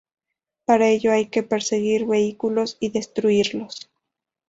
Para ello hay que perseguir vehículos y destruirlos.